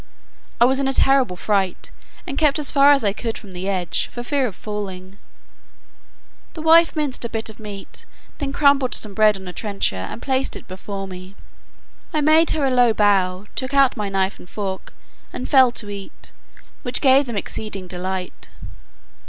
I was in a terrible fright, and kept as far as I could from the edge, for fear of falling. The wife minced a bit of meat, then crumbled some bread on a trencher, and placed it before me. I made her a low bow, took out my knife and fork, and fell to eat, which gave them exceeding delight.